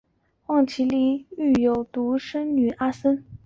望麒麟育有独生女望阿参。